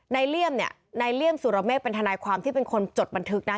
ในเรียมศูลระเมฆเป็นทานัยความที่เป็นคนจดบันทึกนะ